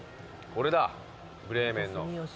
これだ『ブレーメン』の。